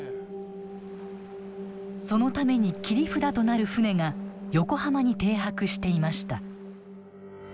そのために切り札となる船が横浜に停泊していました。